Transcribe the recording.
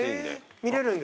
見れるんですか？